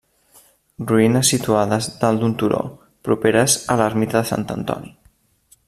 Ruïnes situades dalt d'un turó, properes a l'ermita de Sant Antoni.